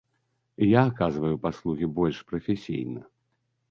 Я аказваю паслугі больш прафесійна.